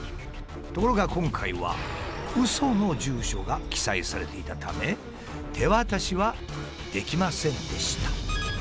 ところが今回はウソの住所が記載されていたため手渡しはできませんでした。